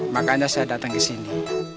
makanya saya datang ke sini